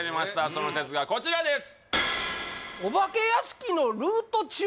その説がこちらです